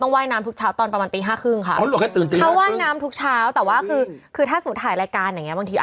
วันที่แกมีตารางของแกวันที่แกก็ต้องตั้งอยู่ด้วยค่ะหมอมัยอะไรอย่างนี้